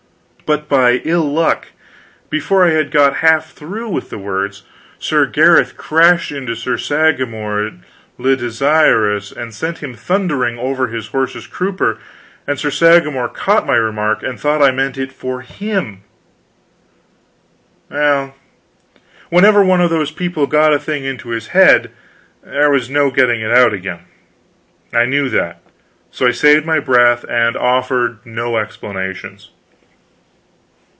But by ill luck, before I had got half through with the words, Sir Gareth crashed into Sir Sagramor le Desirous and sent him thundering over his horse's crupper, and Sir Sagramor caught my remark and thought I meant it for him. Well, whenever one of those people got a thing into his head, there was no getting it out again. I knew that, so I saved my breath, and offered no explanations.